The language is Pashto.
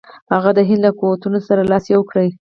هغه د هند له قوتونو سره لاس یو کړي.